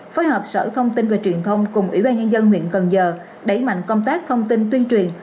phối hợp sở thông tin và truyền thông cùng ủy ban nhân dân huyện cần giờ đẩy mạnh công tác thông tin tuyên truyền